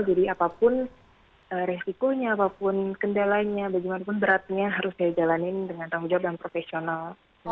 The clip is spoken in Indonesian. jadi apapun resikonya apapun kendalanya bagaimanapun beratnya harus saya jalanin dengan tanggung jawab yang profesional